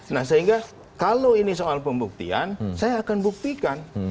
nah sehingga kalau ini soal pembuktian saya akan buktikan